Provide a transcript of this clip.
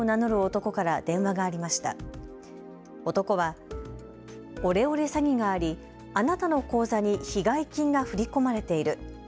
男は、オレオレ詐欺がありあなたの口座に被害金が振り込まれている。